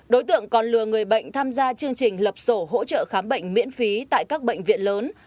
đối tượng còn lừa người bệnh tham gia chương trình lập sổ hỗ trợ khám bệnh miễn phí tại các bệnh viện lớn